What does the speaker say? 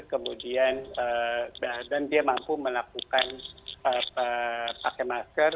kemudian dan dia mampu melakukan pakai masker